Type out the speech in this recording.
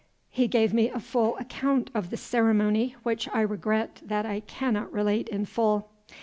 He gave me a full account of the ceremony, which I regret that I cannot relate in full.